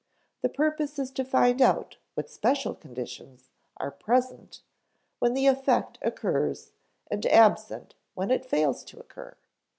The purpose is to find out what special conditions are present when the effect occurs and absent when it fails to occur.